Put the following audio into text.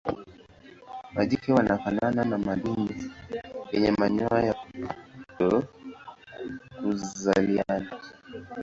Majike wanafanana na madume yenye manyoya ya kutokuzaliana.